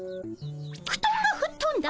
ふとんがふっとんだ。